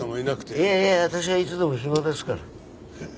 いやいや私はいつでも暇ですから。